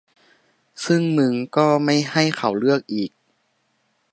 ซึ่งมึงก็ไม่ให้เขาเลือกอีก